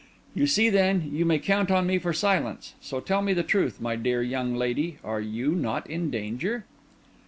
You see, then, you may count on me for silence. So tell me the truth, my dear young lady, are you not in danger?"